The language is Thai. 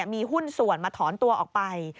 มีหุ้นส่วนมาถอนตัวออกไป